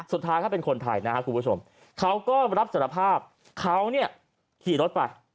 สุดท้ายเขาเป็นคนไทยนะครับคุณผู้ชมเขาก็รับสารภาพเขาเนี่ยขี่รถไป